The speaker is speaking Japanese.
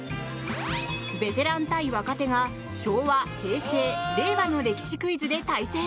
ベテラン対若手が昭和、平成、令和の歴史クイズで対戦！